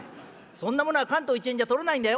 そんなものは関東一円じゃ取れないんだよ」。